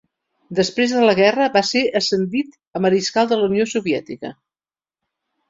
Després de la guerra va ser ascendit a Mariscal de la Unió Soviètica.